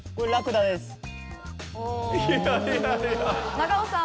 長尾さん。